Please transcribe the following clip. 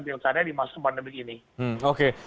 pilkada di masa pandemi ini oke